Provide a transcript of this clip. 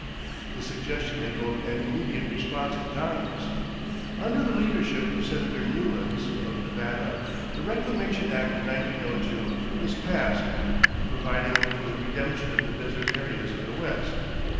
The suggestion evoked an immediate response in Congress. Under the leadership of Senator Newlands, of Nevada, the Reclamation Act of 1902 was passed, providing for the redemption of the desert areas of the West.